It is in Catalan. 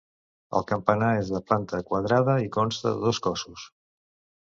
El campanar és de planta quadrada i consta de dos cossos.